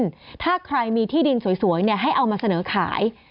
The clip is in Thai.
อยากจะซื้อที่ดินถ้าใครมีที่ดินสวยให้เอามาเสนอขาย